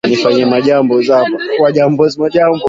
kuwa uchumi wa dunia bado uko hatarini kutetereka hasa kutokana